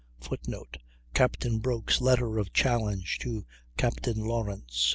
[Footnote: Captain Broke's letter of challenge to Captain Lawrence.